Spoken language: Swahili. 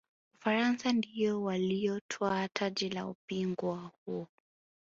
ufaransa ndiyo waliyotwaa taji la ubingwa huo